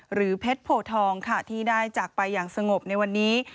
หรือเพชรโพทองค่ะที่ได้จากไปอย่างสงบในวันนี้